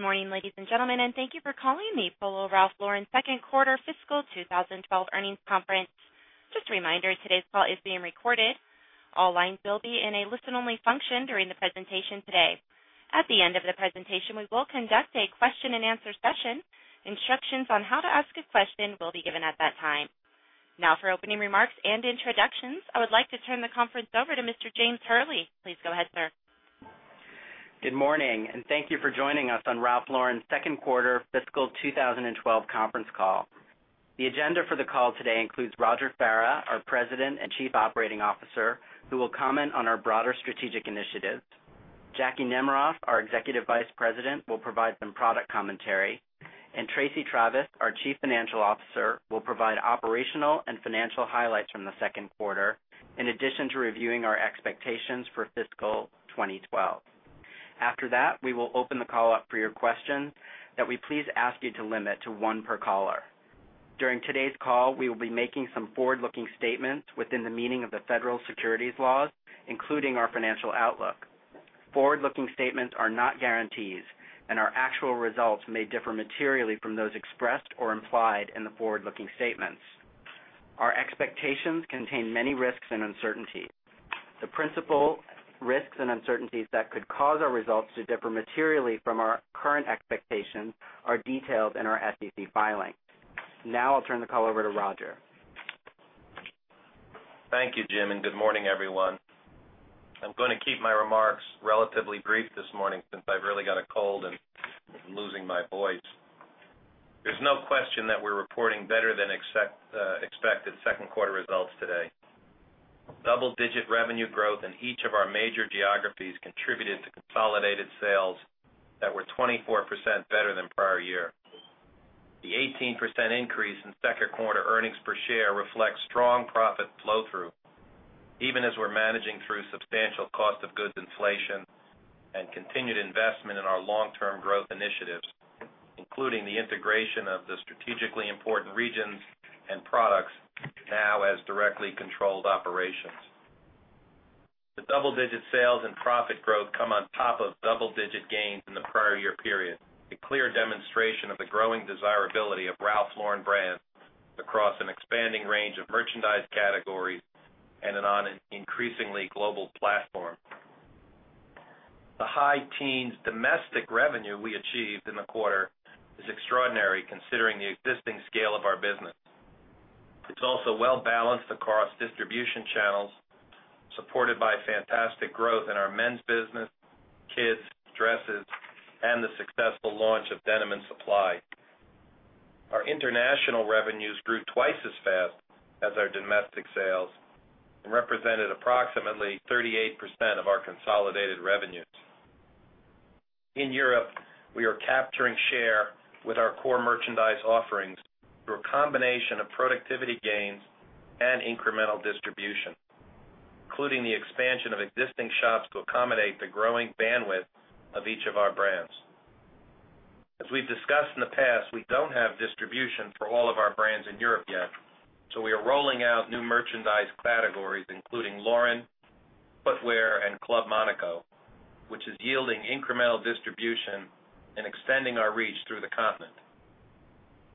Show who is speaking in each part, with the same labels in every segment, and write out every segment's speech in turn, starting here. Speaker 1: Good morning, ladies and gentlemen, and thank you for calling the Ralph Lauren second quarter fiscal 2012 earnings conference. Just a reminder, today's call is being recorded. All lines will be in a listen-only function during the presentation today. At the end of the presentation, we will conduct a question and answer session. Instructions on how to ask a question will be given at that time. Now, for opening remarks and introductions, I would like to turn the conference over to Mr. James Hurley. Please go ahead, sir.
Speaker 2: Good morning, and thank you for joining us on Ralph Lauren Corporation's second quarter fiscal 2012 conference call. The agenda for the call today includes Roger Farah, our President and Chief Operating Officer, who will comment on our broader strategic initiatives. Jackwyn Nemerov, our Executive Vice President, will provide some product commentary, and Tracey Travis, our Chief Financial Officer, will provide operational and financial highlights from the second quarter, in addition to reviewing our expectations for fiscal 2012. After that, we will open the call up for your questions. We please ask you to limit to one per caller. During today's call, we will be making some forward-looking statements within the meaning of the federal securities laws, including our financial outlook. Forward-looking statements are not guarantees, and our actual results may differ materially from those expressed or implied in the forward-looking statements. Our expectations contain many risks and uncertainties. The principal risks and uncertainties that could cause our results to differ materially from our current expectations are detailed in our SEC filing. Now, I'll turn the call over to Roger.
Speaker 3: Thank you, Jim, and good morning, everyone. I'm going to keep my remarks relatively brief this morning since I've really got a cold and I'm losing my voice. There's no question that we're reporting better than expected second quarter results today. Double-digit revenue growth in each of our major geographies contributed to consolidated sales that were 24% better than prior year. The 18% increase in second quarter earnings per share reflects strong profit flow-through, even as we're managing through substantial cost of goods inflation and continued investment in our long-term growth initiatives, including the integration of the strategically important regions and products now as directly controlled operations. The double-digit sales and profit growth come on top of double-digit gains in the prior year period, a clear demonstration of the growing desirability of the Ralph Lauren brand across an expanding range of merchandise categories and on an increasingly global platform. The high teens domestic revenue we achieved in the quarter is extraordinary considering the existing scale of our business. It's also well balanced across distribution channels, supported by fantastic growth in our men's business, kids, dresses, and the successful launch of Denim & Supply. Our international revenues grew twice as fast as our domestic sales and represented approximately 38% of our consolidated revenues. In Europe, we are capturing share with our core merchandise offerings through a combination of productivity gains and incremental distribution, including the expansion of existing shops to accommodate the growing bandwidth of each of our brands. As we've discussed in the past, we don't have distribution for all of our brands in Europe yet, so we are rolling out new merchandise categories, including Lauren, Footwear, and Club Monaco, which is yielding incremental distribution and extending our reach through the continent.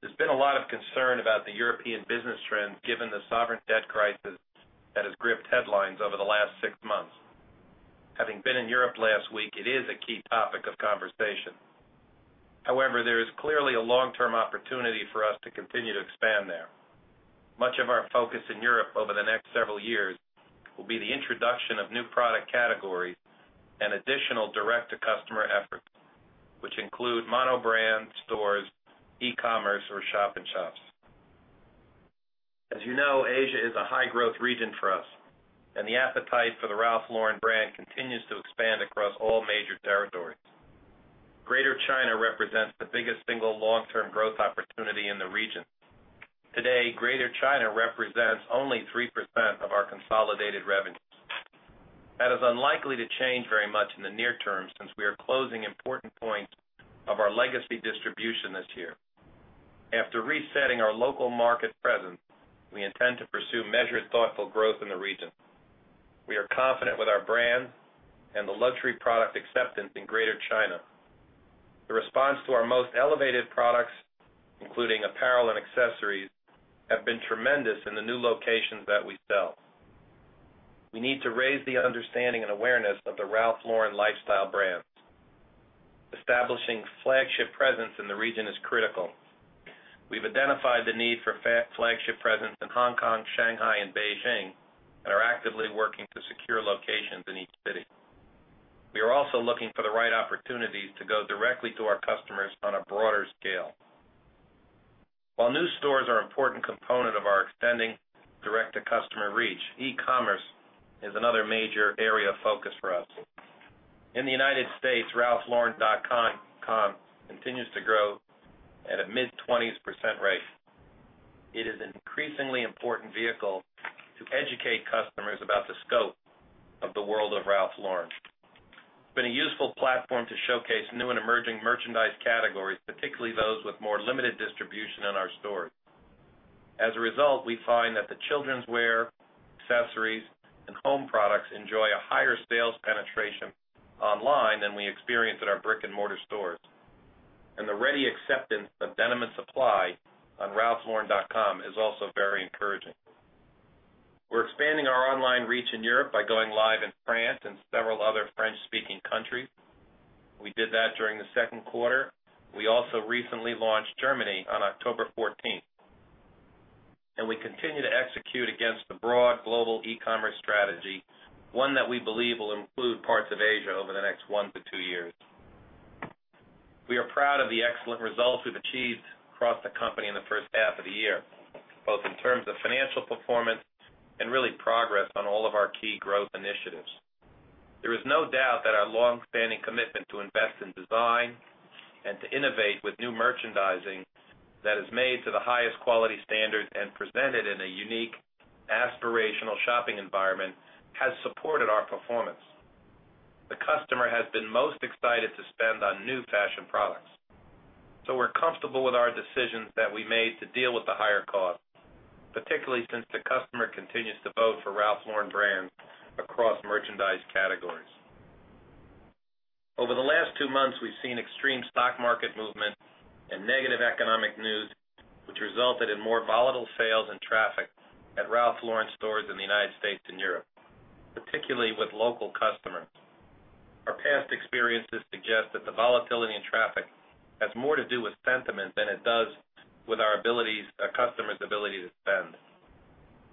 Speaker 3: There's been a lot of concern about the European business trends, given the sovereign debt crisis that has gripped headlines over the last six months. Having been in Europe last week, it is a key topic of conversation. However, there is clearly a long-term opportunity for us to continue to expand there. Much of our focus in Europe over the next several years will be the introduction of new product categories and additional direct-to-consumer efforts, which include monobrand stores, e-commerce, or shop and shops. As you know, Asia is a high-growth region for us, and the appetite for the Ralph Lauren brand continues to expand across all major territories. Greater China represents the biggest single long-term growth opportunity in the region. Today, Greater China represents only 3% of our consolidated revenues. That is unlikely to change very much in the near term since we are closing important points of our legacy distribution this year. After resetting our local market presence, we intend to pursue measured, thoughtful growth in the region. We are confident with our brand and the luxury product acceptance in Greater China. The response to our most elevated products, including apparel and accessories, has been tremendous in the new locations that we sell. We need to raise the understanding and awareness of the Ralph Lauren lifestyle brand. Establishing flagship presence in the region is critical. We have identified the need for flagship presence in Hong Kong, Shanghai, and Beijing, and are actively working to secure locations in each city. We are also looking for the right opportunities to go directly to our customers on a broader scale. While new stores are an important component of our extending direct-to-consumer reach, e-commerce is another major area of focus for us. In the United States RalphLauren.com continues to grow at a mid-20% rate. It is an increasingly important vehicle to educate customers about the scope of the world of Ralph Lauren. It has been a useful platform to showcase new and emerging merchandise categories, particularly those with more limited distribution in our stores. As a result, we find that the children's wear, accessories, and home products enjoy a higher sales penetration online than we experience in our brick-and-mortar stores. The ready acceptance of Denim & Supply on ralphLauren.com is also very encouraging. We are expanding our online reach in Europe by going live in France and several other French-speaking countries. We did that during the second quarter. We also recently launched Germany on October 14th. We continue to execute against the broad global e-commerce strategy, one that we believe will include parts of Asia over the next 1-2 years. We are proud of the excellent results we have achieved across the company in the first half of the year, both in terms of financial performance and really progress on all of our key growth initiatives. There is no doubt that our long-standing commitment to invest in design and to innovate with new merchandising that is made to the highest quality standards and presented in a unique, aspirational shopping environment has supported our performance. The customer has been most excited to spend on new fashion products. We're comfortable with our decisions that we made to deal with the higher cost, particularly since the customer continues to vote for Ralph Lauren brands across merchandise categories. Over the last two months, we've seen extreme stock market movement and negative economic news, which resulted in more volatile sales and traffic at Ralph Lauren stores in the United States and Europe, particularly with local customers. Our past experiences suggest that the volatility in traffic has more to do with sentiment than it does with our customers' ability to spend.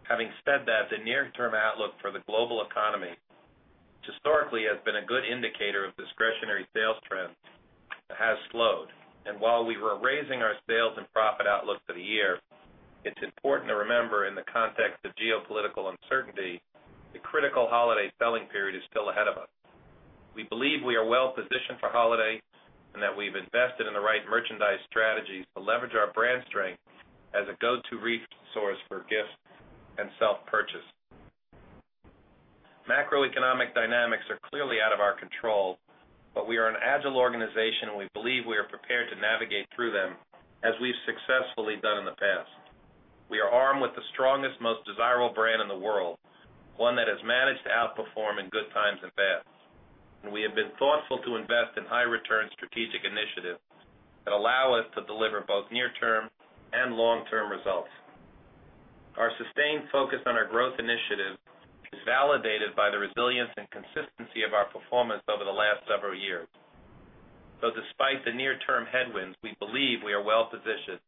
Speaker 3: Having said that, the near-term outlook for the global economy, which historically has been a good indicator of discretionary sales trends, has slowed. While we were raising our sales and profit outlook for the year, it's important to remember in the context of geopolitical uncertainty, the critical holiday selling period is still ahead of us. We believe we are well positioned for holiday and that we've invested in the right merchandise strategies to leverage our brand strength as a go-to resource for gifts and self-purchase. Macroeconomic dynamics are clearly out of our control, but we are an agile organization and we believe we are prepared to navigate through them, as we've successfully done in the past. We are armed with the strongest, most desirable brand in the world, one that has managed to outperform in good times and bad. We have been thoughtful to invest in high-return strategic initiatives that allow us to deliver both near-term and long-term results. Our sustained focus on our growth initiative is validated by the resilience and consistency of our performance over the last several years. Despite the near-term headwinds, we believe we are well positioned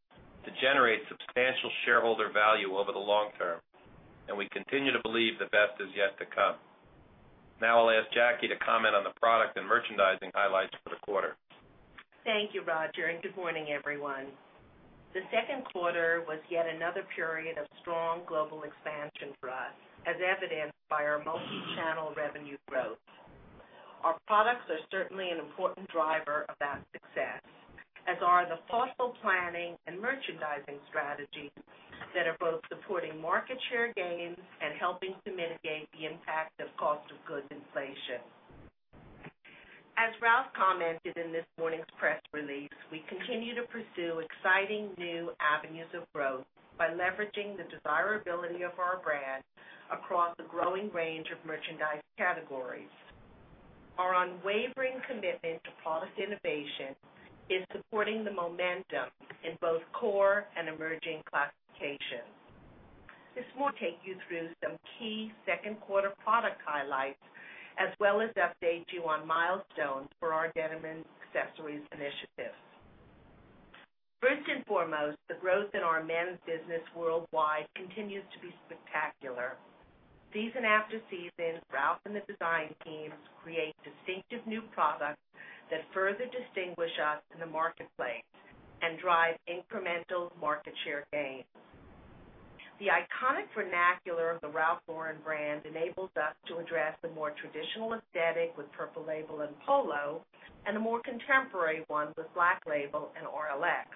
Speaker 3: to generate substantial shareholder value over the long term. We continue to believe the best is yet to come. Now I'll ask Jackwyn Nemerov to comment on the product and merchandising highlights for the quarter.
Speaker 4: Thank you, Roger, and good morning, everyone. The second quarter was yet another period of strong global expansion for us, as evidenced by our multichannel revenue growth. Our products are certainly an important driver of that success, as are the thoughtful planning and merchandising strategies that are both supporting market share gains and helping to mitigate the impact of cost of goods inflation. As Ralph commented in this morning's press release, we continue to pursue exciting new avenues of growth by leveraging the desirability of our brand across a growing range of merchandise categories. Our unwavering commitment to product innovation is supporting the momentum in both core and emerging classifications. This will take you through some key second quarter product highlights, as well as update you on milestones for our denim and accessories initiatives. First and foremost, the growth in our men's business worldwide continues to be spectacular. Season after season, Ralph and the design teams create distinctive new products that further distinguish us in the marketplace and drive incremental market share gains. The iconic vernacular of the Ralph Lauren brand enables us to address the more traditional aesthetic with Purple Label and Polo, and a more contemporary one with Black Label and RLX.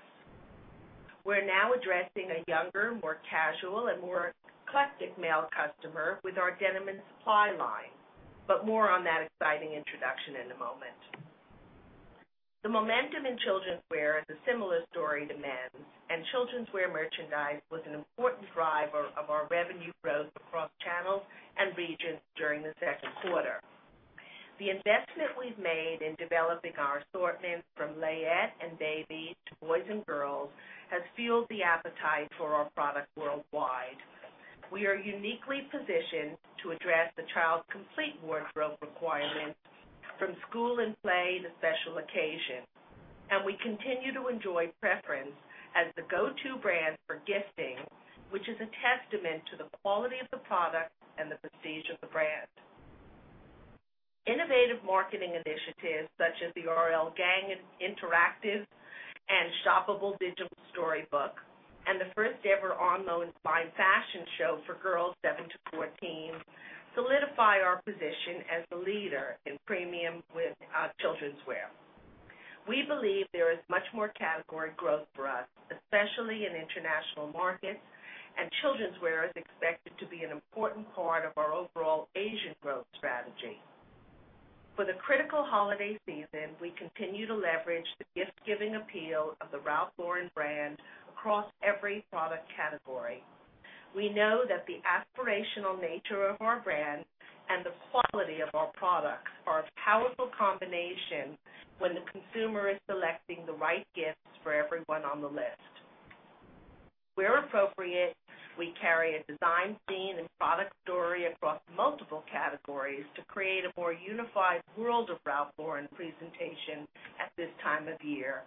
Speaker 4: We're now addressing a younger, more casual, and more eclectic male customer with our Denim & Supply line, but more on that exciting introduction in a moment. The momentum in children's wear is a similar story to men's, and children's wear merchandise was an important driver of our revenue growth across channels and regions during the second quarter. The investment we've made in developing our assortments from layette and baby to boys and girls has fueled the appetite for our product worldwide. We are uniquely positioned to address the child's complete wardrobe requirements from school and play to special occasions. We continue to enjoy preference as the go-to brand for gifting, which is a testament to the quality of the product and the prestige of the brand. Innovative marketing initiatives such as the RL Gang Interactive and shoppable digital storybook and the first-ever online fashion show for girls 7-14 solidify our position as the leader in premium children's wear. We believe there is much more category growth for us, especially in international markets, and children's wear is expected to be an important part of our overall Asia growth strategy. For the critical holiday season, we continue to leverage the gift-giving appeal of the Ralph Lauren brand across every product category. We know that the aspirational nature of our brand and the quality of our products are a powerful combination when the consumer is selecting the right gifts for everyone on the list. Where appropriate, we carry a design theme and product story across multiple categories to create a more unified world of Ralph Lauren presentation at this time of year.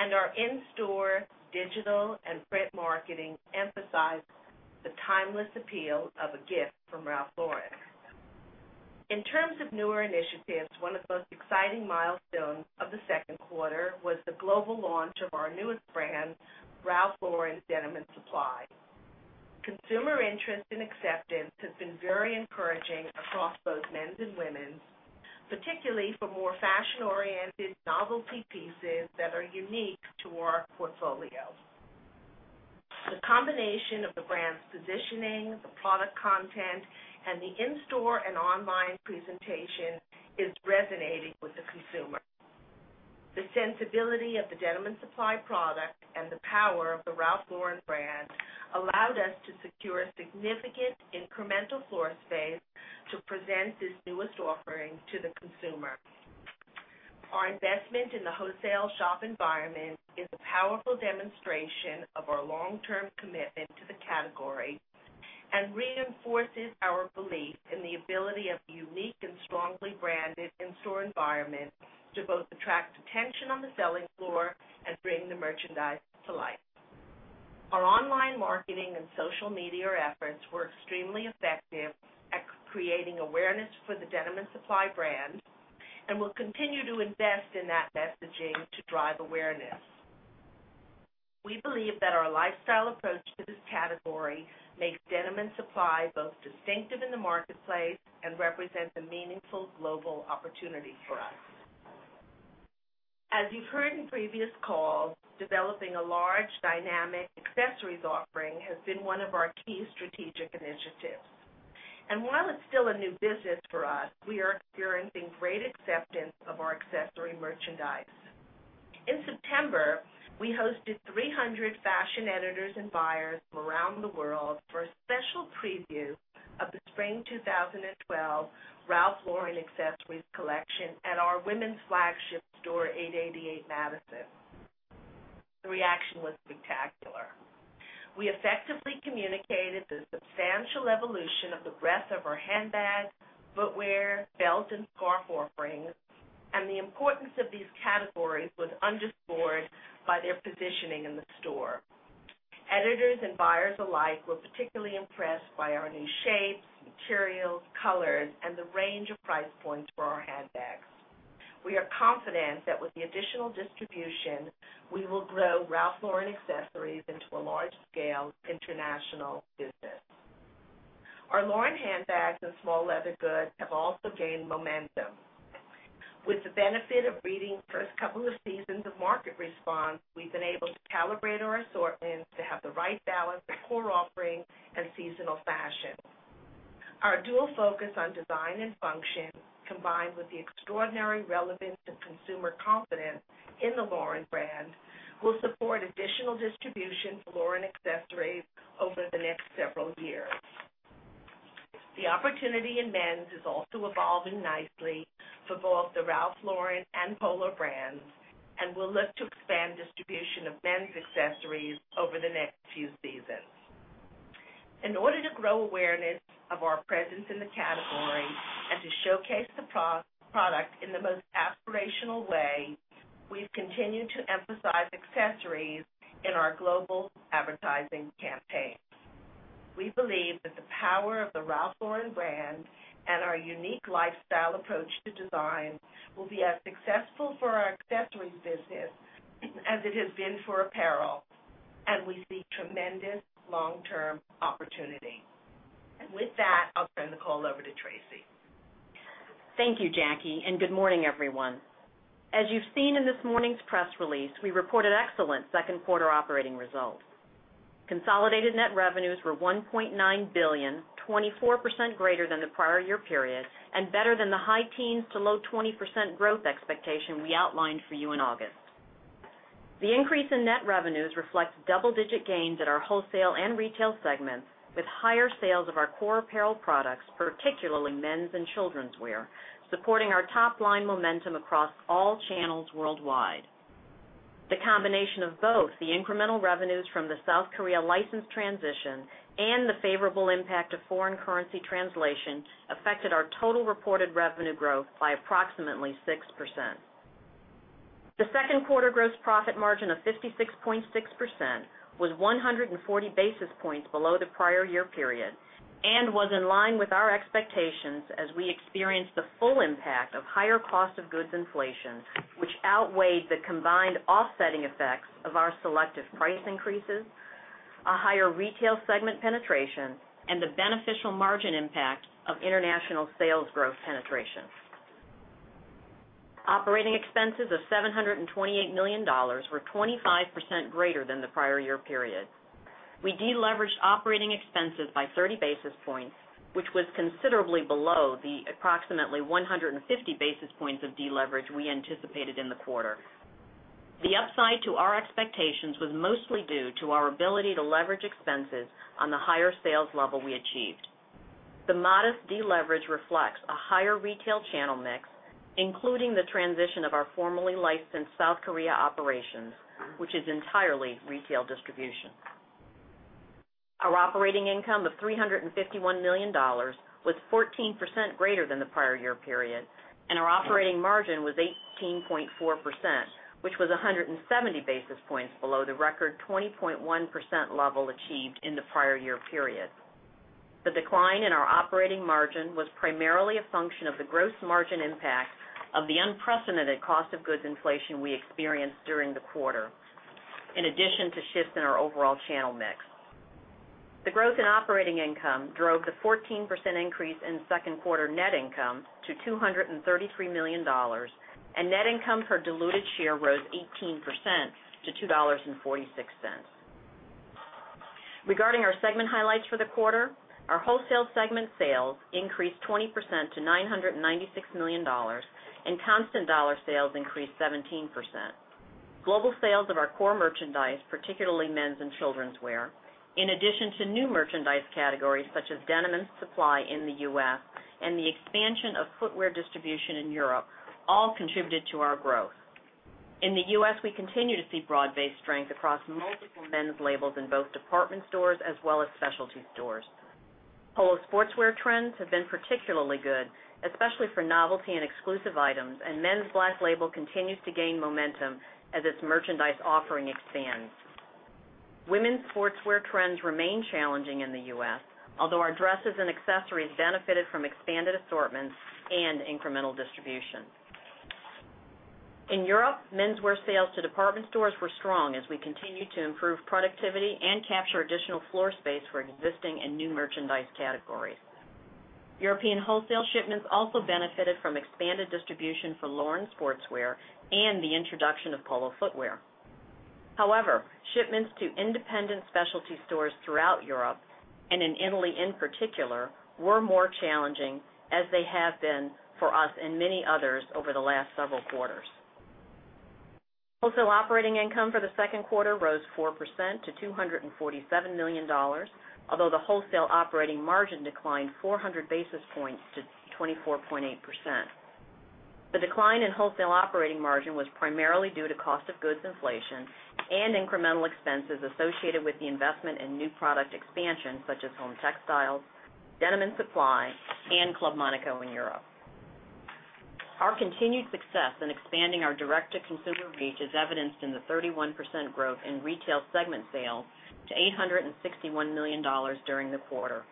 Speaker 4: Our in-store, digital, and print marketing emphasize the timeless appeal of a gift from Ralph Lauren. In terms of newer initiatives, one of the most exciting milestones of the second quarter was the global launch of our newest brand, Denim & Supply. Consumer interest and acceptance have been very encouraging across both men's and women's, particularly for more fashion-oriented novelty pieces that are unique to our portfolio. The combination of the brand's positioning, the product content, and the in-store and online presentation is resonating with the consumer. The sensibility of the Denim & Supply product and the power of the Ralph Lauren brand allowed us to secure significant incremental floor space to present this newest offering to the consumer. Our investment in the wholesale shop environment is a powerful demonstration of our long-term commitment to the category and reinforces our belief in the ability of a unique and strongly branded in-store environment to both attract attention on the selling floor and bring the merchandise to life. Our online marketing and social media efforts were extremely effective at creating awareness for the Denim & Supply brand, and we will continue to invest in that messaging to drive awareness. We believe that our lifestyle approach to this category makes Denim & Supply both distinctive in the marketplace and represents a meaningful global opportunity for us. As you've heard in previous calls, developing a large, dynamic accessories offering has been one of our key strategic initiatives. While it's still a new business for us, we are experiencing great acceptance of our accessory merchandise. In September, we hosted 300 fashion editors and buyers from around the world for a special preview of the Spring 2012 Ralph Lauren accessories collection at our women's flagship store, 888 Madison. The reaction was spectacular. We effectively communicated the substantial evolution of the breadth of our handbags, footwear, belts, and scarf offerings, and the importance of these categories was underscored by their positioning in the store. Editors and buyers alike were particularly impressed by our new shapes, materials, colors, and the range of price points for our handbags. We are confident that with the additional distribution, we will grow Ralph Lauren accessories into a large-scale international business. Our Lauren handbags and small leather goods have also gained momentum. With the benefit of reading the first couple of seasons of market response, we've been able to calibrate our assortments to have the right balance of core offering and seasonal fashion. Our dual focus on design and function, combined with the extraordinary relevance of consumer confidence in the Lauren brand, will support additional distribution for Lauren accessories over the next several years. The opportunity in men's is also evolving nicely for both the Ralph Lauren and Polo brands, and we'll look to expand distribution of men's accessories over the next few seasons. In order to grow awareness of our presence in the category and to showcase the product in the most aspirational way, we've continued to emphasize accessories in our global advertising campaign. We believe that the power of the Ralph Lauren brand and our unique lifestyle approach to design will be as successful for our accessories business as it has been for apparel, and we see tremendous long-term opportunity. With that, I'll turn the call over to Tracey.
Speaker 5: Thank you, Jacky, and good morning, everyone. As you've seen in this morning's press release, we reported excellent second quarter operating results. Consolidated net revenues were $1.9 billion, 24% greater than the prior year period and better than the high teens to low 20% growth expectation we outlined for you in August. The increase in net revenues reflects double-digit gains at our wholesale and retail segment, with higher sales of our core apparel products, particularly men's and children's wear, supporting our top-line momentum across all channels worldwide. The combination of both the incremental revenues from the South Korea license transition and the favorable impact of foreign currency translation affected our total reported revenue growth by approximately 6%. The second quarter gross profit margin of 56.6% was 140 basis points below the prior year period and was in line with our expectations as we experienced the full impact of higher cost of goods inflation, which outweighed the combined offsetting effects of our selective price increases, a higher retail segment penetration, and the beneficial margin impact of international sales growth penetration. Operating expenses of $728 million were 25% greater than the prior year period. We deleveraged operating expenses by 30 basis points, which was considerably below the approximately 150 basis points of deleverage we anticipated in the quarter. The upside to our expectations was mostly due to our ability to leverage expenses on the higher sales level we achieved. The modest deleverage reflects a higher retail channel mix, including the transition of our formerly licensed South Korea operations, which is entirely retail distribution. Our operating income of $351 million was 14% greater than the prior year period, and our operating margin was 18.4%, which was 170 basis points below the record 20.1% level achieved in the prior year period. The decline in our operating margin was primarily a function of the gross margin impact of the unprecedented cost of goods inflation we experienced during the quarter, in addition to shifts in our overall channel mix. The growth in operating income drove the 14% increase in second quarter net income to $233 million, and net income per diluted share rose 18% to $2.46. Regarding our segment highlights for the quarter, our wholesale segment sales increased 20% to $996 million, and constant dollar sales increased 17%. Global sales of our core merchandise, particularly men's and children's wear, in addition to new merchandise categories such as Denim & Supply in the U.S. and the expansion of footwear distribution in Europe, all contributed to our growth. In the U.S., we continue to see broad-based strength across multiple men's labels in both department stores as well as specialty stores. Polo sportswear trends have been particularly good, especially for novelty and exclusive items, and men's Black Label continues to gain momentum as its merchandise offering expands. Women's sportswear trends remain challenging in the U.S., although our dresses and accessories benefited from expanded assortments and incremental distribution. In Europe, menswear sales to department stores were strong as we continued to improve productivity and capture additional floor space for existing and new merchandise categories. European wholesale shipments also benefited from expanded distribution for Lauren sportswear and the introduction of Polo footwear. However, shipments to independent specialty stores throughout Europe and in Italy, in particular, were more challenging as they have been for us and many others over the last several quarters. Wholesale operating income for the second quarter rose 4% to $247 million, although the wholesale operating margin declined 400 basis points to 24.8%. The decline in wholesale operating margin was primarily due to cost of goods inflation and incremental expenses associated with the investment in new product expansion such as home textiles, Denim & Supply, and Club Monaco in Europe. Our continued success in expanding our direct-to-consumer reach is evidenced in the 31% growth in retail segment sales to $861 million during the quarter.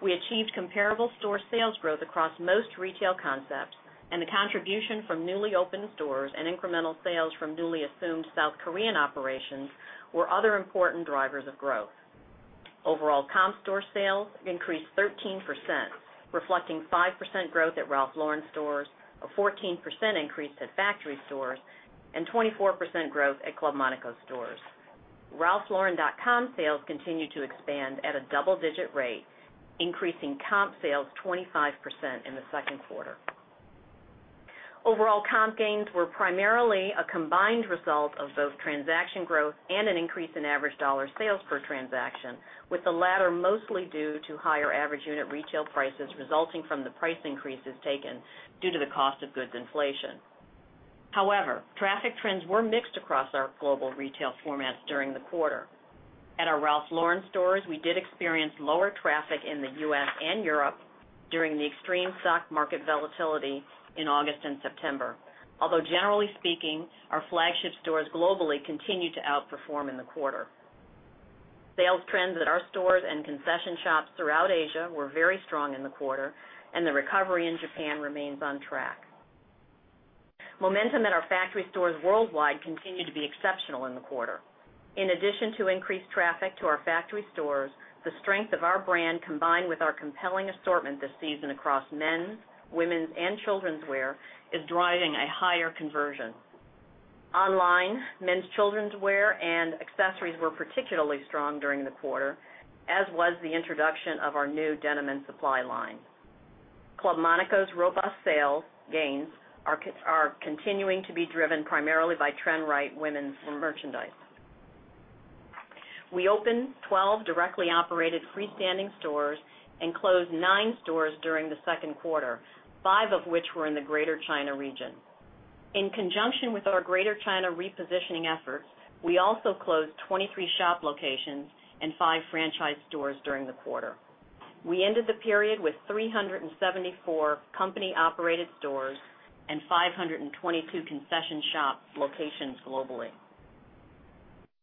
Speaker 5: We achieved comparable store sales growth across most retail concepts, and the contribution from newly opened stores and incremental sales from newly assumed South Korean operations were other important drivers of growth. Overall, comp store sales increased 13%, reflecting 5% growth at Ralph Lauren stores, a 14% increase at factory stores, and 24% growth at Club Monaco stores. RalphLauren.com sales continued to expand at a double-digit rate, increasing comp sales 25% in the second quarter. Overall, comp gains were primarily a combined result of both transaction growth and an increase in average dollar sales per transaction, with the latter mostly due to higher average unit retail prices resulting from the price increases taken due to the cost of goods inflation. However, traffic trends were mixed across our global retail formats during the quarter. At our Ralph Lauren stores, we did experience lower traffic in the U.S. and Europe during the extreme stock market volatility in August and September, although generally speaking, our flagship stores globally continued to outperform in the quarter. Sales trends at our stores and concession shops throughout Asia were very strong in the quarter, and the recovery in Japan remains on track. Momentum at our factory stores worldwide continued to be exceptional in the quarter. In addition to increased traffic to our factory stores, the strength of our brand combined with our compelling assortment this season across men's, women's, and children's wear is driving a higher conversion. Online, men's, children's wear, and accessories were particularly strong during the quarter, as was the introduction of our new Denim & Supply line. Club Monaco's robust sales gains are continuing to be driven primarily by Trend Rite women's merchandise. We opened 12 directly operated freestanding stores and closed nine stores during the second quarter, five of which were in the Greater China region. In conjunction with our Greater China repositioning efforts, we also closed 23 shop locations and five franchise stores during the quarter. We ended the period with 374 company-operated stores and 522 concession shop locations globally.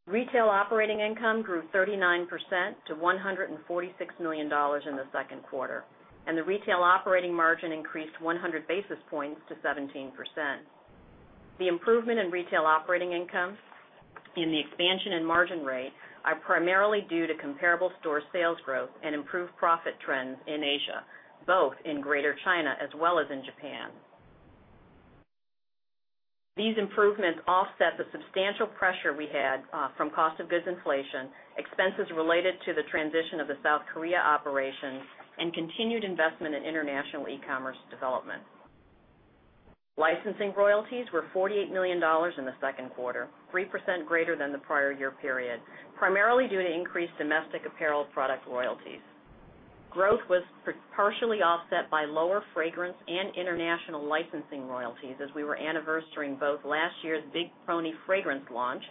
Speaker 5: Retail operating income grew 39% to $146 million in the second quarter, and the retail operating margin increased 100 basis points to 17%. The improvement in retail operating income and the expansion in margin rate are primarily due to comparable store sales growth and improved profit trends in Asia, both in Greater China as well as in Japan. These improvements offset the substantial pressure we had from cost of goods inflation, expenses related to the transition of the South Korea operations, and continued investment in international e-commerce development. Licensing royalties were $48 million in the second quarter, 3% greater than the prior year period, primarily due to increased domestic apparel product royalties. Growth was partially offset by lower fragrance and international licensing royalties as we were anniversary both last year's Big Pony fragrance launch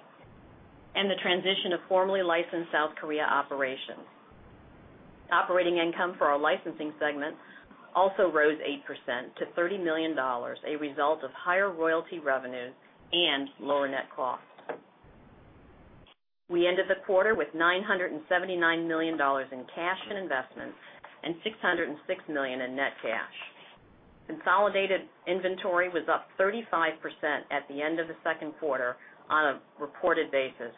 Speaker 5: and the transition of formerly licensed South Korea operations. Operating income for our licensing segment also rose 8% to $30 million, a result of higher royalty revenues and lower net costs. We ended the quarter with $979 million in cash and investments and $606 million in net cash. Consolidated inventory was up 35% at the end of the second quarter on a reported basis.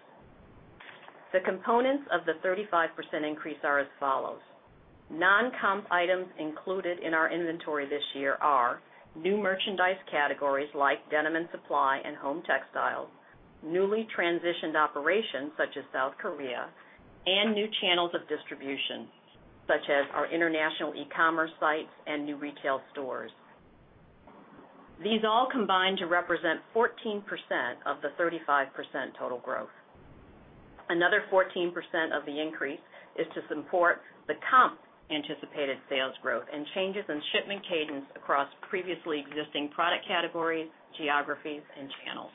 Speaker 5: The components of the 35% increase are as follows: non-comp items included in our inventory this year are new merchandise categories like Denim & Supply and home textiles, newly transitioned operations such as South Korea, and new channels of distribution such as our international e-commerce sites and new retail stores. These all combine to represent 14% of the 35% total growth. Another 14% of the increase is to support the comp anticipated sales growth and changes in shipment cadence across previously existing product categories, geographies, and channels.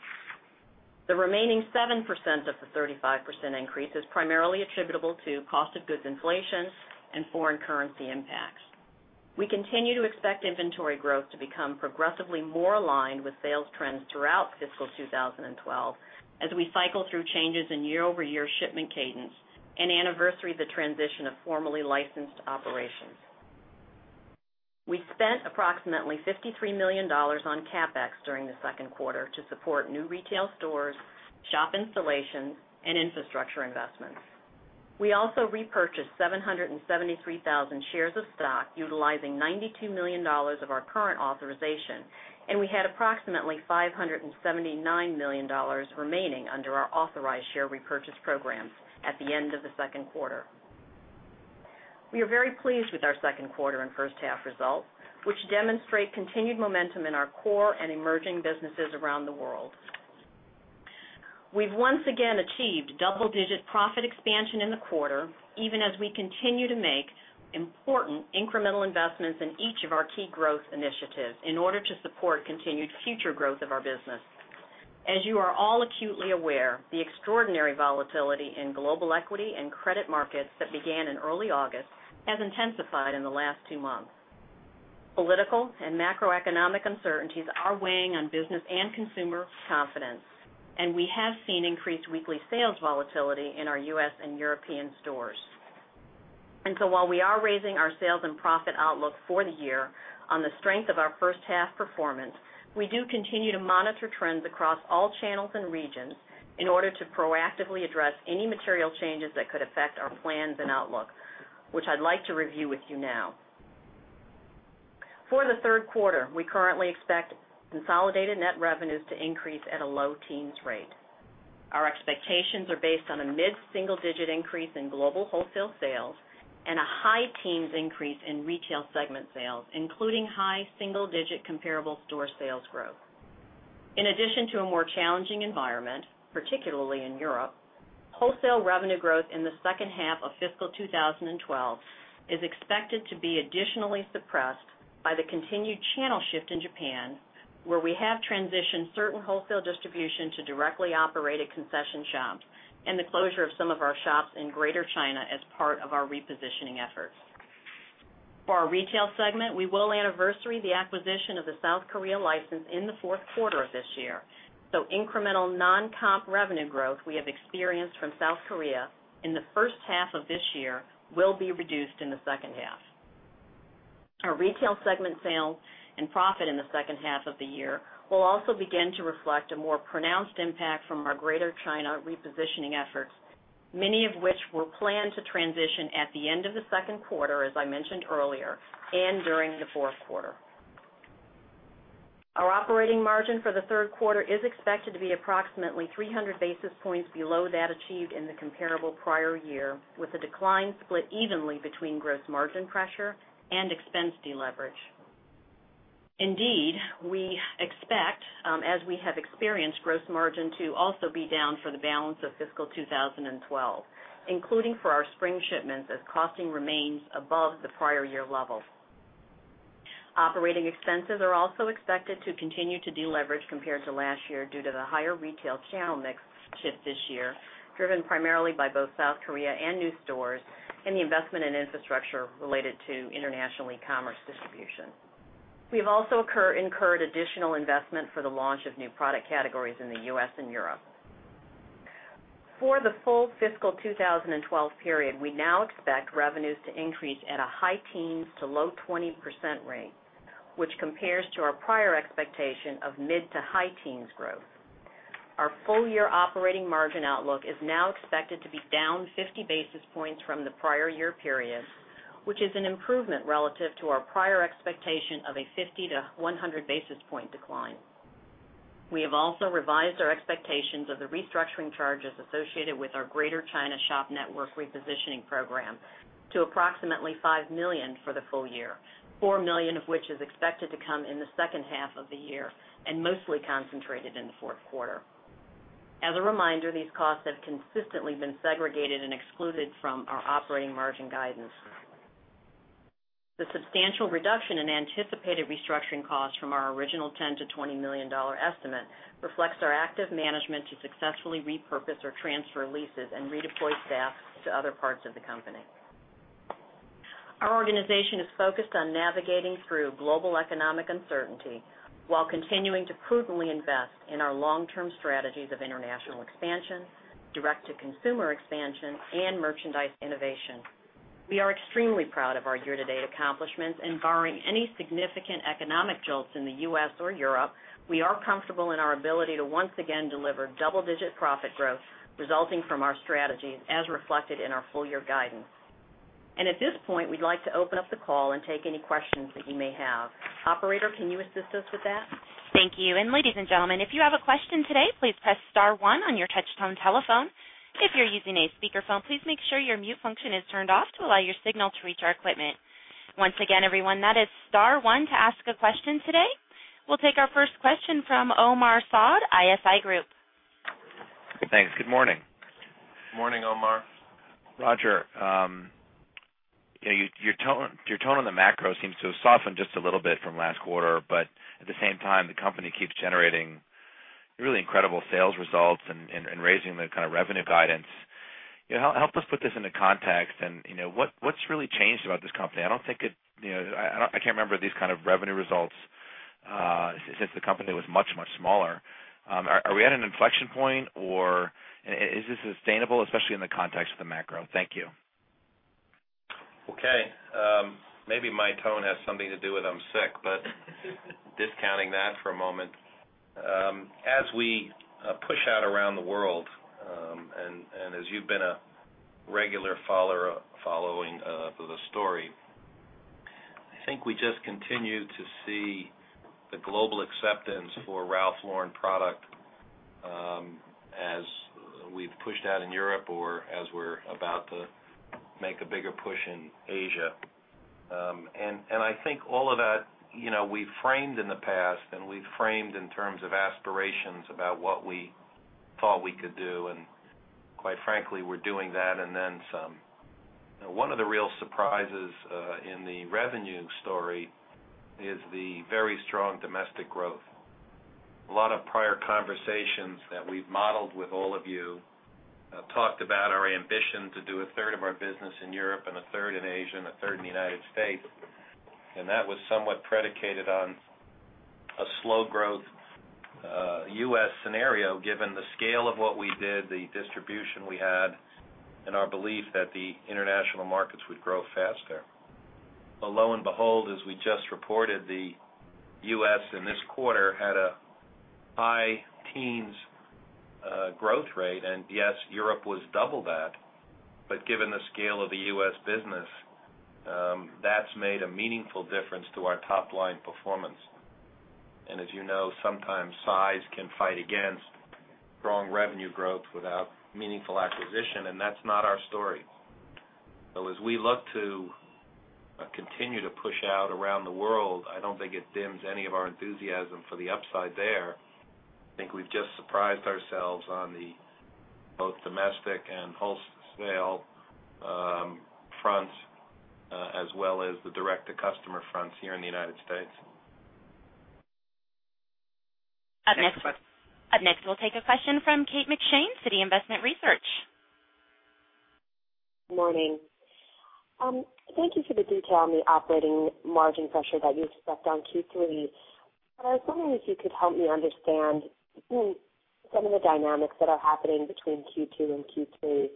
Speaker 5: The remaining 7% of the 35% increase is primarily attributable to cost of goods inflation and foreign currency impacts. We continue to expect inventory growth to become progressively more aligned with sales trends throughout fiscal 2012 as we cycle through changes in year-over-year shipment cadence and anniversary of the transition of formerly licensed operations. We spent approximately $53 million on CapEx during the second quarter to support new retail stores, shop installations, and infrastructure investments. We also repurchased 773,000 shares of stock utilizing $92 million of our current authorization, and we had approximately $579 million remaining under our authorized share repurchase programs at the end of the second quarter. We are very pleased with our second quarter and first half result, which demonstrate continued momentum in our core and emerging businesses around the world. We've once again achieved double-digit profit expansion in the quarter, even as we continue to make important incremental investments in each of our key growth initiatives in order to support continued future growth of our business. As you are all acutely aware, the extraordinary volatility in global equity and credit markets that began in early August has intensified in the last two months. Political and macroeconomic uncertainties are weighing on business and consumer confidence, and we have seen increased weekly sales volatility in our U.S. and European stores. While we are raising our sales and profit outlook for the year on the strength of our first half performance, we do continue to monitor trends across all channels and regions in order to proactively address any material changes that could affect our plans and outlook, which I'd like to review with you now. For the third quarter, we currently expect consolidated net revenues to increase at a low teens rate. Our expectations are based on a mid-single-digit increase in global wholesale sales and a high teens increase in retail segment sales, including high single-digit comp store sales growth. In addition to a more challenging environment, particularly in Europe, wholesale revenue growth in the second half of fiscal year 2012 is expected to be additionally suppressed by the continued channel shift in Japan, where we have transitioned certain wholesale distribution to directly operated concession shops and the closure of some of our shops in Greater China as part of our repositioning efforts. For our retail segment, we will anniversary the acquisition of the South Korea license in the fourth quarter of this year, so incremental non-comp revenue growth we have experienced from South Korea in the first half of this year will be reduced in the second half. Our retail segment sales and profit in the second half of the year will also begin to reflect a more pronounced impact from our Greater China repositioning efforts, many of which were planned to transition at the end of the second quarter, as I mentioned earlier, and during the fourth quarter. Our operating margin for the third quarter is expected to be approximately 300 basis points below that achieved in the comparable prior year, with a decline split evenly between gross margin pressure and expense deleverage. We expect, as we have experienced, gross margin to also be down for the balance of fiscal year 2012, including for our spring shipments as costing remains above the prior year levels. Operating expenses are also expected to continue to deleverage compared to last year due to the higher retail channel mix shift this year, driven primarily by both South Korea and new stores and the investment in infrastructure related to international e-commerce distribution. We have also incurred additional investment for the launch of new product categories in the U.S. and Europe. For the full fiscal 2012 period, we now expect revenues to increase at a high teens to low 20% rate, which compares to our prior expectation of mid to high teens growth. Our full-year operating margin outlook is now expected to be down 50 basis points from the prior year period, which is an improvement relative to our prior expectation of a 50-100 basis point decline. We have also revised our expectations of the restructuring charges associated with our Greater China shop network repositioning program to approximately $5 million for the full year, $4 million of which is expected to come in the second half of the year and mostly concentrated in the fourth quarter. As a reminder, these costs have consistently been segregated and excluded from our operating margin guidance. The substantial reduction in anticipated restructuring costs from our original $10 million-$20 million estimate reflects our active management to successfully repurpose or transfer leases and redeploy staff to other parts of the company. Our organization is focused on navigating through global economic uncertainty while continuing to prudently invest in our long-term strategies of international expansion, direct-to-consumer expansion, and merchandise innovation. We are extremely proud of our year-to-date accomplishments and, barring any significant economic jolts in the U.S. or Europe, we are comfortable in our ability to once again deliver double-digit profit growth resulting from our strategies as reflected in our full-year guidance. At this point, we'd like to open up the call and take any questions that you may have. Operator, can you assist us with that?
Speaker 1: Thank you. Ladies and gentlemen, if you have a question today, please press star one on your touch-tone telephone. If you're using a speakerphone, please make sure your mute function is turned off to allow your signal to reach our equipment. Once again, everyone, that is star one to ask a question today. We'll take our first question from Omar Saud, Evercore ISI.
Speaker 6: Thanks. Good morning.
Speaker 3: Morning, Omar.
Speaker 6: Yeah, your tone on the macro seems to have softened just a little bit from last quarter, but at the same time, the company keeps generating really incredible sales results and raising the kind of revenue guidance. Help us put this into context and what's really changed about this company. I don't think it, I can't remember these kind of revenue results since the company was much, much smaller. Are we at an inflection point or is this sustainable, especially in the context of the macro? Thank you.
Speaker 3: Okay. Maybe my tone has something to do with I'm sick, but discounting that for a moment, as we push out around the world and as you've been a regular follower following the story, I think we just continue to see the global acceptance for Ralph Lauren product as we've pushed out in Europe or as we're about to make a bigger push in Asia. I think all of that, you know, we framed in the past and we framed in terms of aspirations about what we thought we could do, and quite frankly, we're doing that and then some. One of the real surprises in the revenue story is the very strong domestic growth. A lot of prior conversations that we've modeled with all of you talked about our ambition to do a third of our business in Europe and a third in Asia and a third in the United States, and that was somewhat predicated on a slow growth U.S. scenario given the scale of what we did, the distribution we had, and our belief that the international markets would grow faster. Lo and behold, as we just reported, the U.S. in this quarter had a high teens growth rate, and yes, Europe was double that, but given the scale of the U.S. business, that's made a meaningful difference to our top-line performance. As you know, sometimes size can fight against strong revenue growth without meaningful acquisition, and that's not our story. As we look to continue to push out around the world, I don't think it dims any of our enthusiasm for the upside there. I think we've just surprised ourselves on both domestic and wholesale fronts as well as the direct-to-consumer fronts here in the United States.
Speaker 1: Up next, we'll take a question from Kate McShane, Citi Investment Research.
Speaker 7: Morning. Thank you for the detail on the operating margin pressure that you expect on Q3. I was wondering if you could help me understand some of the dynamics that are happening between Q2 and Q3,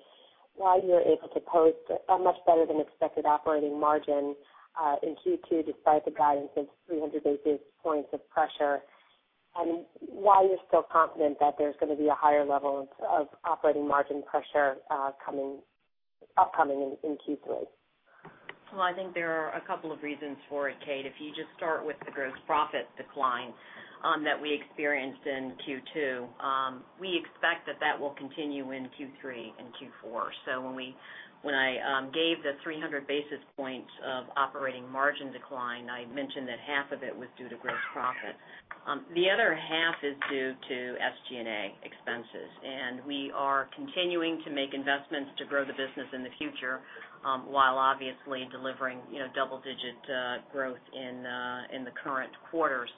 Speaker 7: why you're able to post a much better than expected operating margin in Q2 despite the guidance of 300 basis points of pressure, and why you're still confident that there's going to be a higher level of operating margin pressure coming upcoming in Q3.
Speaker 5: I think there are a couple of reasons for it, Kate. If you just start with the gross profit decline that we experienced in Q2, we expect that will continue in Q3 and Q4. When I gave the 300 basis points of operating margin decline, I mentioned that half of it was due to gross profit. The other half is due to SG&A expenses, and we are continuing to make investments to grow the business in the future while obviously delivering double-digit growth in the current quarters.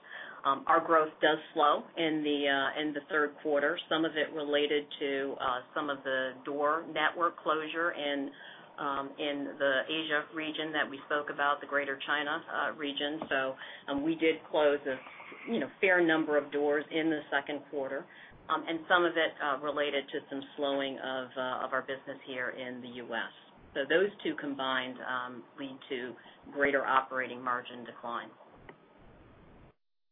Speaker 5: Our growth does slow in the third quarter, some of it related to some of the door network closure in the Asia region that we spoke about, the Greater China region. We did close a fair number of doors in the second quarter, and some of it related to some slowing of our business here in the U.S. Those two combined lead to greater operating margin decline.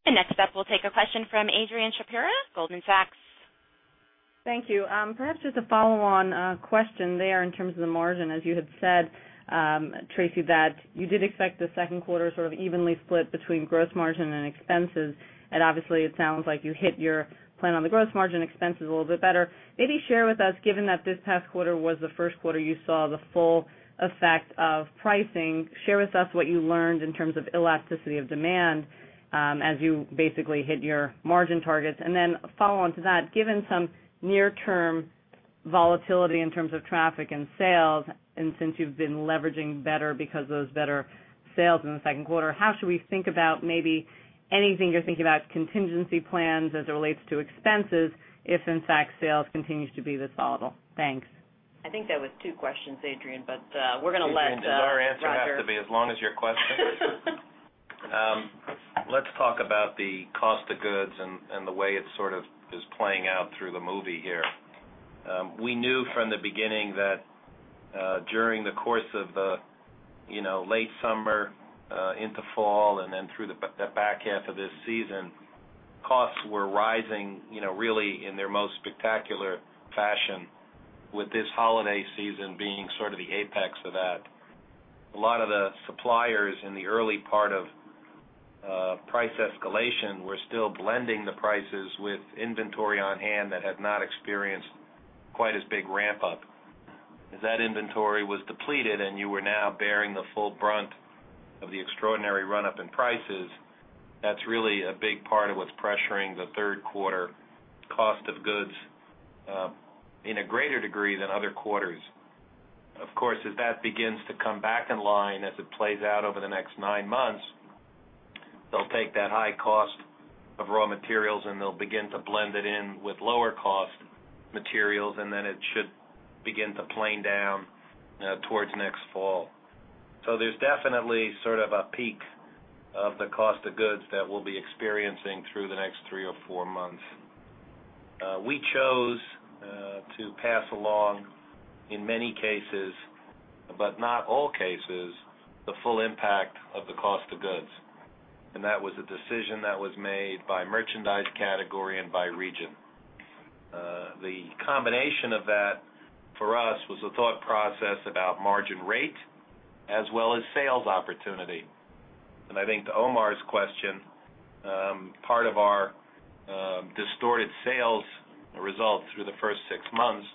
Speaker 1: Next up, we'll take a question from Adrianne Shapira, Goldman Sachs.
Speaker 8: Thank you. Perhaps just a follow-on question there in terms of the margin, as you had said, Tracey, that you did expect the second quarter sort of evenly split between gross margin and expenses. Obviously, it sounds like you hit your plan on the gross margin, expenses a little bit better. Maybe share with us, given that this past quarter was the first quarter you saw the full effect of pricing, share with us what you learned in terms of elasticity of demand as you basically hit your margin targets. Then follow on to that, given some near-term volatility in terms of traffic and sales, and since you've been leveraging better because of those better sales in the second quarter, how should we think about maybe anything you're thinking about, contingency plans as it relates to expenses if in fact sales continue to be this volatile? Thanks.
Speaker 5: I think that was two questions, Adrianne, but we're going to let the rest of us.
Speaker 3: Adrienne, our answer has to be as long as your question. Let's talk about the cost of goods and the way it sort of is playing out through the movie here. We knew from the beginning that during the course of the late summer into fall and then through the back half of this season, costs were rising really in their most spectacular fashion, with this holiday season being sort of the apex of that. A lot of the suppliers in the early part of price escalation were still blending the prices with inventory on hand that had not experienced quite as big ramp-up. As that inventory was depleted and you were now bearing the full brunt of the extraordinary run-up in prices, that's really a big part of what's pressuring the third quarter cost of goods in a greater degree than other quarters. Of course, as that begins to come back in line as it plays out over the next nine months, they'll take that high cost of raw materials and they'll begin to blend it in with lower cost materials, and then it should begin to plane down towards next fall. There is definitely sort of a peak of the cost of goods that we'll be experiencing through the next three or four months. We chose to pass along in many cases, but not all cases, the full impact of the cost of goods. That was a decision that was made by merchandise category and by region. The combination of that for us was a thought process about margin rate as well as sales opportunity. I think to Omar's question, part of our distorted sales results through the first six months,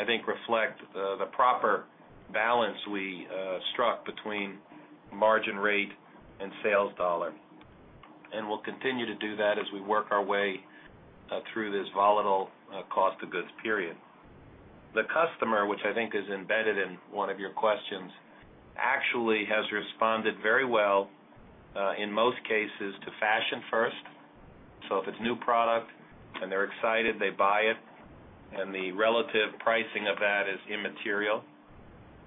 Speaker 3: I think reflect the proper balance we struck between margin rate and sales dollar. We'll continue to do that as we work our way through this volatile cost of goods period. The customer, which I think is embedded in one of your questions, actually has responded very well in most cases to fashion first. If it's a new product and they're excited, they buy it, and the relative pricing of that is immaterial.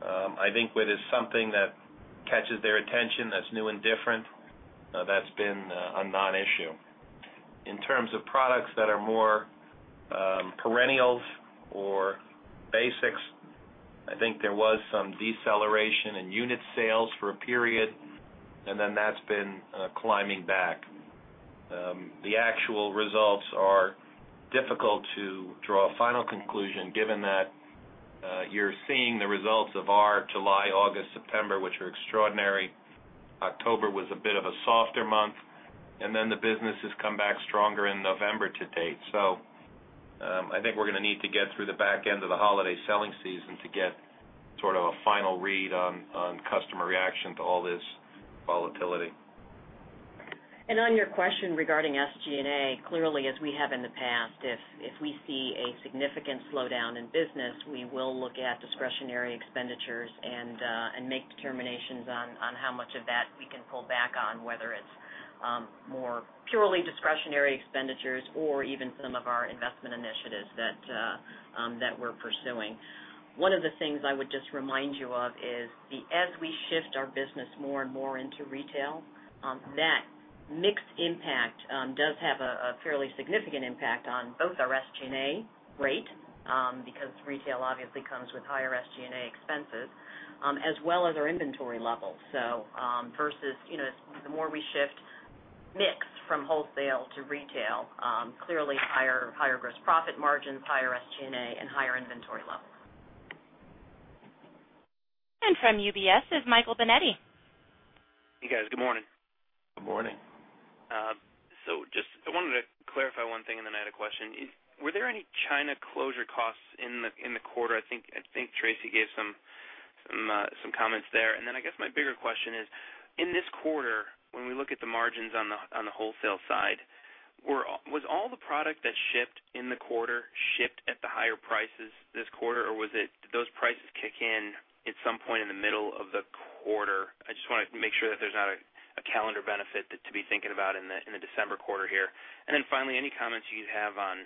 Speaker 3: I think when it's something that catches their attention, that's new and different, that's been a non-issue. In terms of products that are more perennials or basics, I think there was some deceleration in unit sales for a period, and then that's been climbing back. The actual results are difficult to draw a final conclusion given that you're seeing the results of our July, August, September, which are extraordinary. October was a bit of a softer month, and the business has come back stronger in November to date. I think we're going to need to get through the back end of the holiday selling season to get sort of a final read on customer reaction to all this volatility.
Speaker 5: On your question regarding SG&A, clearly, as we have in the past, if we see a significant slowdown in business, we will look at discretionary expenditures and make determinations on how much of that we can pull back on, whether it's more purely discretionary expenditures or even some of our investment initiatives that we're pursuing. One of the things I would just remind you of is as we shift our business more and more into retail, that mixed impact does have a fairly significant impact on both our SG&A rate because retail obviously comes with higher SG&A expenses as well as our inventory level. Versus the more we shift mix from wholesale to retail, clearly higher gross profit margins, higher SG&A, and higher inventory level.
Speaker 1: From UBS is Michael Binetti.
Speaker 9: Hey, guys. Good morning.
Speaker 3: Good morning.
Speaker 9: I wanted to clarify one thing, and then I had a question. Were there any China closure costs in the quarter? I think Tracey gave some comments there. My bigger question is, in this quarter, when we look at the margins on the wholesale side, was all the product that shipped in the quarter shipped at the higher prices this quarter, or did those prices kick in at some point in the middle of the quarter? I just want to make sure that there's not a calendar benefit to be thinking about in the December quarter here. Finally, any comments you have on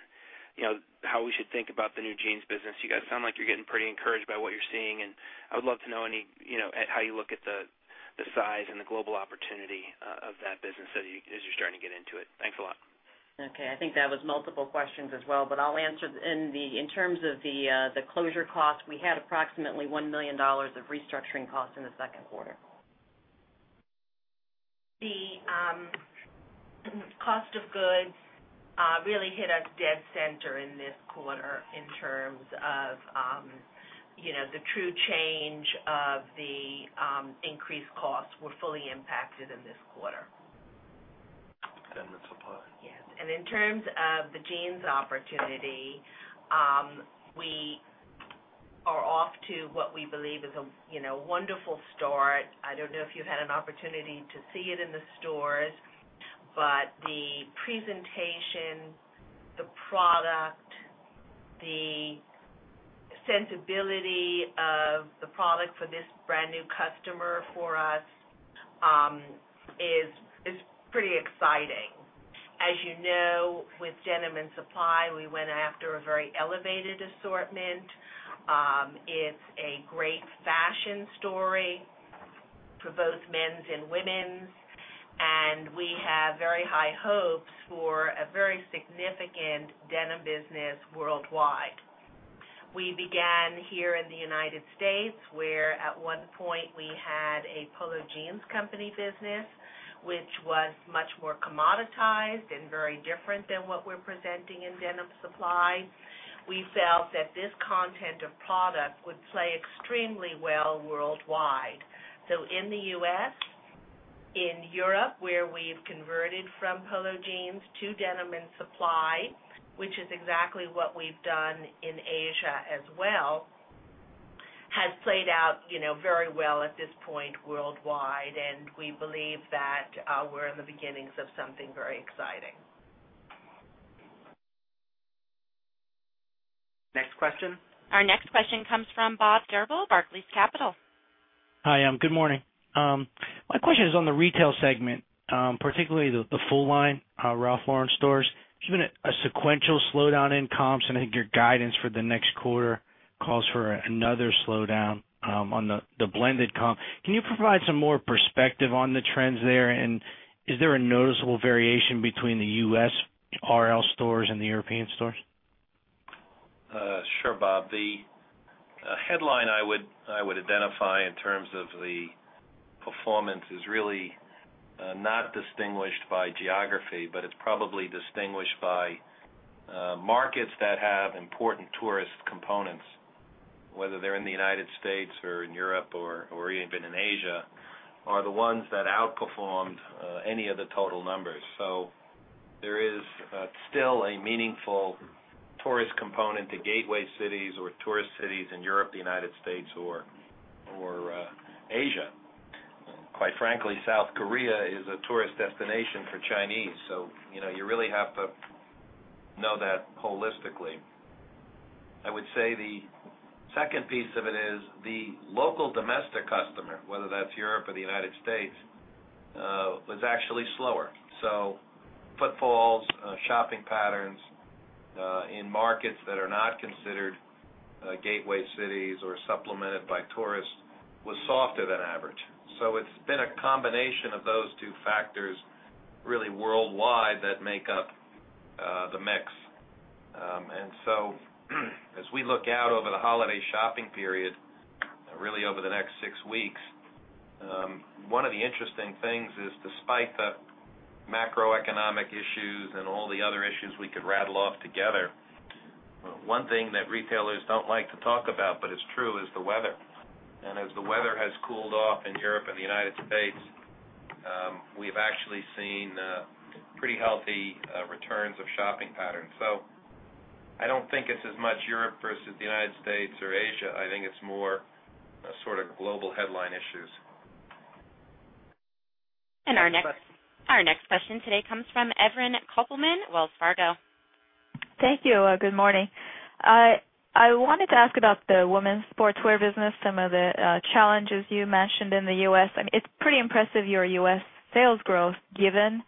Speaker 9: how we should think about the new jeans business? You guys sound like you're getting pretty encouraged by what you're seeing, and I would love to know how you look at the size and the global opportunity of that business as you're starting to get into it. Thanks a lot.
Speaker 5: Okay. I think that was multiple questions as well, but I'll answer in terms of the closure costs. We had approximately $1 million of restructuring costs in the second quarter.
Speaker 4: The cost of goods really hit us dead center in this quarter, in terms of the true change of the increased costs, were fully impacted in this quarter.
Speaker 9: The commitment supply.
Speaker 4: Yes. In terms of the jeans opportunity, we are off to what we believe is a wonderful start. I don't know if you had an opportunity to see it in the stores, but the presentation, the product, the sensibility of the product for this brand new customer for us is pretty exciting. As you know, with Denim & Supply, we went after a very elevated assortment. It's a great fashion story for both men's and women's, and we have very high hopes for a very significant denim business worldwide. We began here in the United States where at one point we had a Polo jeans company business, which was much more commoditized and very different than what we're presenting in Denim & Supply. We felt that this content of product would play extremely well worldwide. In the U.S., in Europe, where we've converted from Polo jeans to Denim & Supply, which is exactly what we've done in Asia as well, has played out very well at this point worldwide, and we believe that we're in the beginnings of something very exciting.
Speaker 2: Next question.
Speaker 1: Our next question comes from Bob Dirble, Barclays Capital.
Speaker 10: Hi, good morning. My question is on the retail segment, particularly the full line Ralph Lauren stores. There's been a sequential slowdown in comps, and I think your guidance for the next quarter calls for another slowdown on the blended comp. Can you provide some more perspective on the trends there, and is there a noticeable variation between the U.S. RL stores and the European stores?
Speaker 3: Sure, Bob. The headline I would identify in terms of the performance is really not distinguished by geography, but it's probably distinguished by markets that have important tourist components, whether they're in the United States or in Europe or even in Asia, are the ones that outperformed any of the total numbers. There is still a meaningful tourist component to gateway cities or tourist cities in Europe, the United States, or Asia. Quite frankly, South Korea is a tourist destination for Chinese. You really have to know that holistically. I would say the second piece of it is the local domestic customer, whether that's Europe or the United States, was actually slower. Footfalls, shopping patterns in markets that are not considered gateway cities or supplemented by tourists was softer than average. It's been a combination of those two factors really worldwide that make up the mix. As we look out over the holiday shopping period, really over the next six weeks, one of the interesting things is despite the macroeconomic issues and all the other issues we could rattle off together, one thing that retailers don't like to talk about, but it's true, is the weather. As the weather has cooled off in Europe and the United States, we've actually seen pretty healthy returns of shopping patterns. I don't think it's as much Europe versus the United States or Asia. I think it's more sort of global headline issues.
Speaker 1: Our next question today comes from Evelyn Koppelman, Wells Fargo.
Speaker 11: Thank you. Good morning. I wanted to ask about the women's sportswear business, some of the challenges you mentioned in the U.S. It's pretty impressive your U.S. sales growth given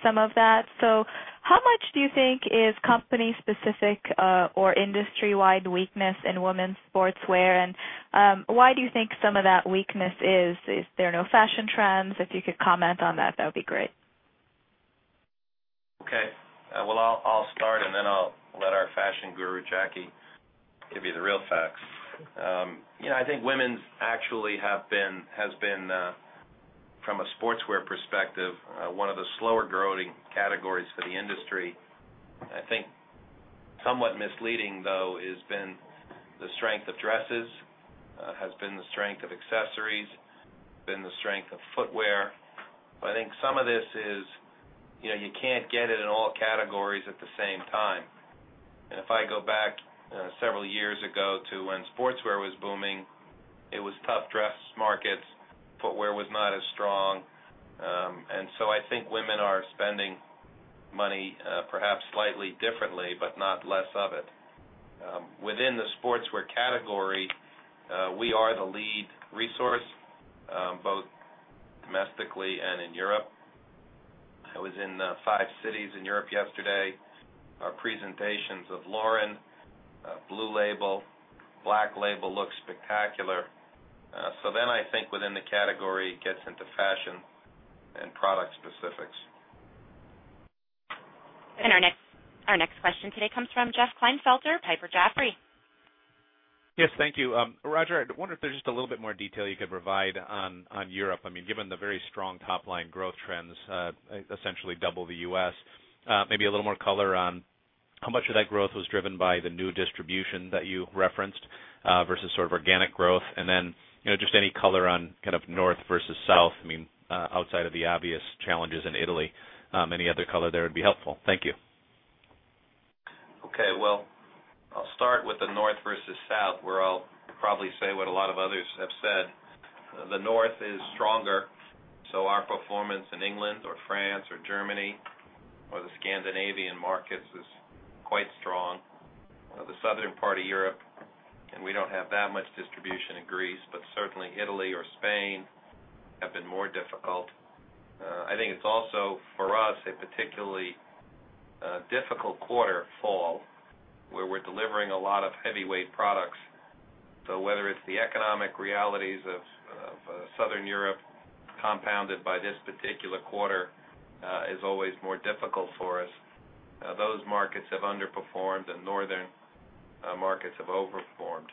Speaker 11: some of that. How much do you think is company-specific or industry-wide weakness in women's sportswear, and why do you think some of that weakness is? Is there no fashion trends? If you could comment on that, that would be great.
Speaker 3: Okay. I'll start, and then I'll let our fashion guru, Jackie, give you the real facts. I think women's actually has been, from a sportswear perspective, one of the slower growing categories for the industry. I think somewhat misleading, though, has been the strength of dresses, the strength of accessories, the strength of footwear. I think some of this is you can't get it in all categories at the same time. If I go back several years ago to when sportswear was booming, it was tough dress markets, footwear was not as strong. I think women are spending money perhaps slightly differently, but not less of it. Within the sportswear category, we are the lead resource both domestically and in Europe. I was in five cities in Europe yesterday. Our presentations of Lauren, Blue Label, Black Label look spectacular. I think within the category, it gets into fashion and product specifics.
Speaker 1: Our next question today comes from Jeff Kleinfelder, Piper Jaffray.
Speaker 12: Yes, thank you. Roger, I wonder if there's just a little bit more detail you could provide on Europe. I mean, given the very strong top-line growth trends, essentially double the U.S., maybe a little more color on how much of that growth was driven by the new distribution that you referenced versus sort of organic growth. Any color on kind of North versus South would be helpful. I mean, outside of the obvious challenges in Italy, any other color there would be helpful. Thank you.
Speaker 3: Okay. I'll start with the North versus South, where I'll probably say what a lot of others have said. The North is stronger. Our performance in England, France, Germany, or the Scandinavian markets is quite strong. The southern part of Europe, and we don't have that much distribution in Greece, but certainly Italy or Spain have been more difficult. I think it's also for us a particularly difficult quarter fall where we're delivering a lot of heavyweight products. Whether it's the economic realities of Southern Europe compounded by this particular quarter, it is always more difficult for us. Those markets have underperformed, and northern markets have overperformed.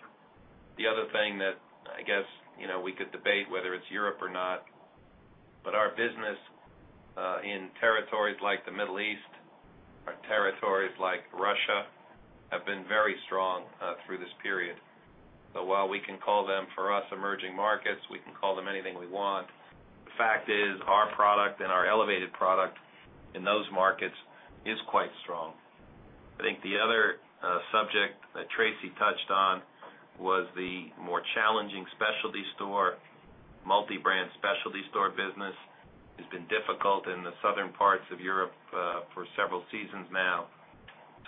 Speaker 3: The other thing that I guess we could debate whether it's Europe or not, but our business in territories like the Middle East, our territories like Russia have been very strong through this period. While we can call them for us emerging markets, we can call them anything we want, the fact is our product and our elevated product in those markets is quite strong. I think the other subject that Tracey touched on was the more challenging specialty store. Multi-brand specialty store business has been difficult in the southern parts of Europe for several seasons now.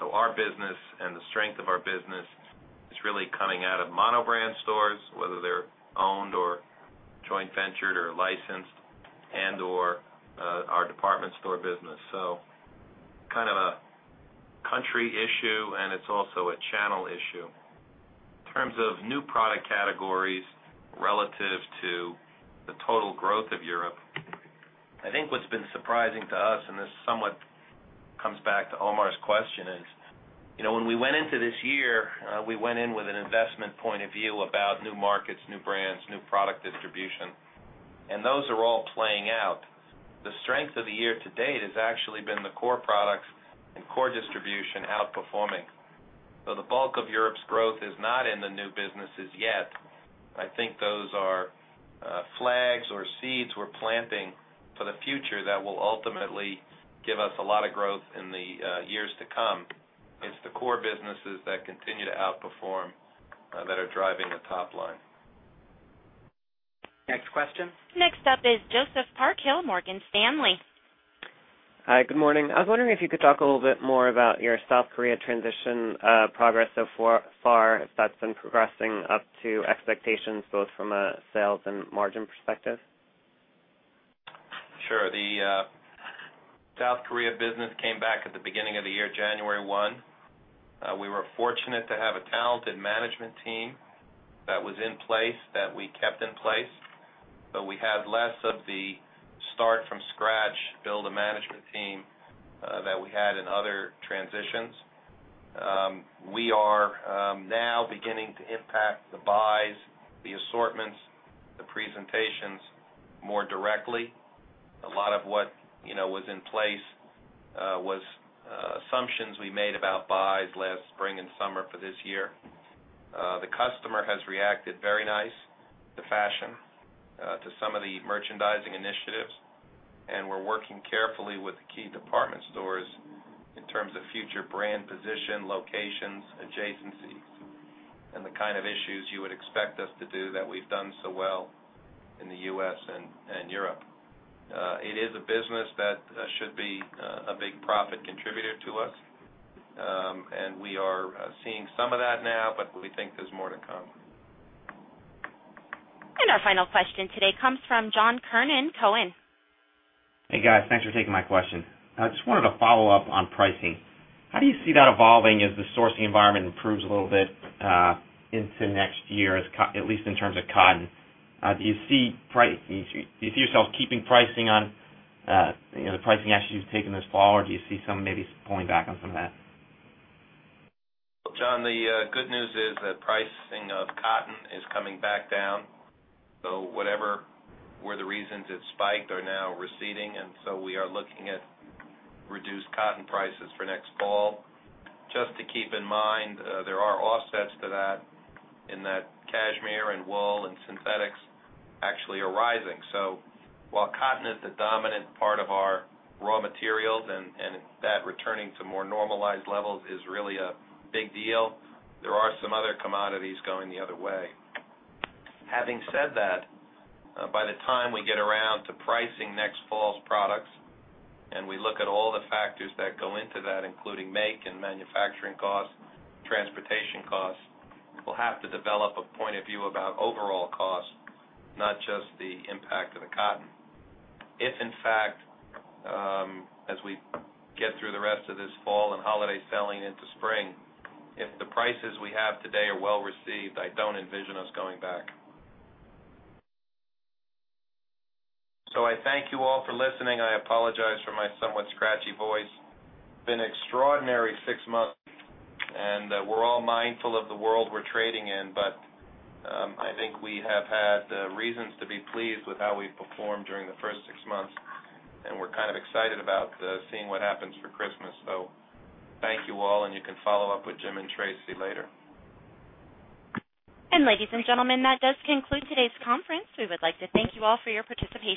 Speaker 3: Our business and the strength of our business is really coming out of monobrand stores, whether they're owned or joint ventured or licensed, and/or our department store business. It's kind of a country issue, and it's also a channel issue. In terms of new product categories relative to the total growth of Europe, I think what's been surprising to us, and this somewhat comes back to Omar's question, is you know when we went into this year, we went in with an investment point of view about new markets, new brands, new product distribution, and those are all playing out. The strength of the year to date has actually been the core products and core distribution outperforming. The bulk of Europe's growth is not in the new businesses yet. I think those are flags or seeds we're planting for the future that will ultimately give us a lot of growth in the years to come. It's the core businesses that continue to outperform that are driving a top line.
Speaker 2: Next question.
Speaker 1: Next up is Joseph Parkhill, Morgan Stanley.
Speaker 13: Hi, good morning. I was wondering if you could talk a little bit more about your South Korea transition progress so far, if that's been progressing up to expectations both from a sales and margin perspective.
Speaker 3: Sure. The South Korea business came back at the beginning of the year, January 1. We were fortunate to have a talented management team that was in place that we kept in place, but we had less of the start from scratch, build a management team that we had in other transitions. We are now beginning to impact the buys, the assortments, the presentations more directly. A lot of what was in place was assumptions we made about buys last spring and summer for this year. The customer has reacted very nicely to fashion, to some of the merchandising initiatives, and we're working carefully with the key department stores in terms of future brand position, locations, adjacencies, and the kind of issues you would expect us to do that we've done so well in the U.S. and Europe. It is a business that should be a big profit contributor to us, and we are seeing some of that now, but we think there's more to come.
Speaker 1: Our final question today comes from John Kernan.
Speaker 14: Hey, guys. Thanks for taking my question. I just wanted to follow up on pricing. How do you see that evolving as the sourcing environment improves a little bit into next year, at least in terms of cotton? Do you see yourself keeping pricing on the pricing actions you've taken this fall, or do you see maybe pulling back on some of that?
Speaker 3: The good news is that pricing of cotton is coming back down. Whatever were the reasons it spiked are now receding, and we are looking at reduced cotton prices for next fall. Just to keep in mind, there are offsets to that in that cashmere and wool and synthetics actually are rising. While cotton is the dominant part of our raw materials and that returning to more normalized levels is really a big deal, there are some other commodities going the other way. Having said that, by the time we get around to pricing next fall's products and we look at all the factors that go into that, including make and manufacturing costs, transportation costs, we'll have to develop a point of view about overall costs, not just the impact of the cotton. If in fact, as we get through the rest of this fall and holiday selling into spring, if the prices we have today are well received, I don't envision us going back. I thank you all for listening. I apologize for my somewhat scratchy voice. It's been an extraordinary six months, and we're all mindful of the world we're trading in, but I think we have had reasons to be pleased with how we've performed during the first six months, and we're kind of excited about seeing what happens for Christmas. Thank you all, and you can follow up with Jim and Tracey later.
Speaker 1: Ladies and gentlemen, that does conclude today's conference. We would like to thank you all for your participation.